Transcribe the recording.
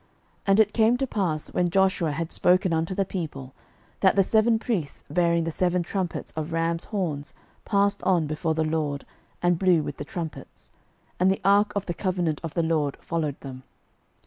06:006:008 And it came to pass, when Joshua had spoken unto the people, that the seven priests bearing the seven trumpets of rams' horns passed on before the LORD, and blew with the trumpets: and the ark of the covenant of the LORD followed them.